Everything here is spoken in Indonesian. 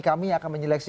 kami yang akan menyeleksi